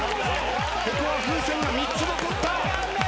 ここは風船が３つ残った。